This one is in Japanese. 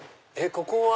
ここは。